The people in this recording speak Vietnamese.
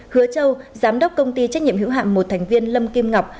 hứa châu giám đốc công ty trách nhiệm hiếu hạn một thành viên lâm kim ngọc